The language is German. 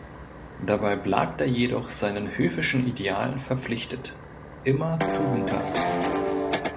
Dabei bleibt er jedoch, seinen höfischen Idealen verpflichtet, immer tugendhaft.